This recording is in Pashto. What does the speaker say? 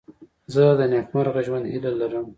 زه د نېکمرغه ژوند هیله لرم.